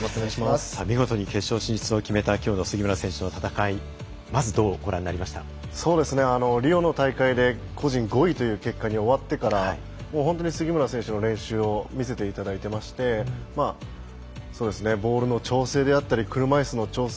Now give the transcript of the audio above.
見事に決勝進出を決めたきょうの杉村選手の戦いリオの大会で個人５位という結果に終わってから杉村選手の練習を見せていただいていましてボールの調整だったり車いすの調整